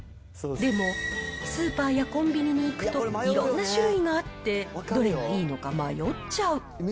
でも、スーパーやコンビニに行くと、いろんな種類があって、どれがいいのか迷っちゃう。